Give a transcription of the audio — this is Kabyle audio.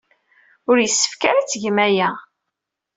Ur yessefk ara ad tgem aya.